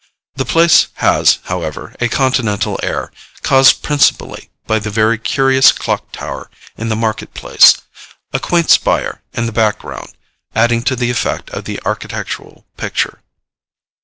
The place has, however, a Continental air, caused principally by the very curious clock tower in the market place; a quaint spire, in the background, adding to the effect of the architectural picture.